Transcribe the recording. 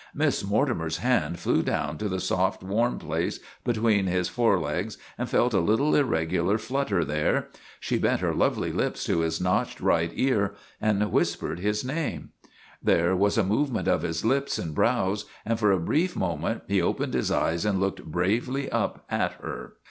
Miss Mortimer's hand flew down to the soft, warm place between his forelegs and felt a little irregular flutter there. She bent her lovely lips to his notched right ear and whispered his name. TOM SAWYER OF THE MOVIES 283 There was a movement of his lips and brows, and for a brief moment he opened his eyes and looked bravely up at her.